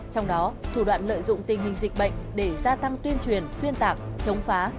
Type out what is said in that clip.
trong đó thủ đoạn lợi dụng tình hình dịch bệnh để gia tăng tuyên truyền xuyên tạc chống phá